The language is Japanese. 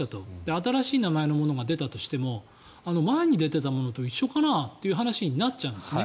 新しい名前のものが出たとしても前に出てたものと一緒かなという話になっちゃうんですね。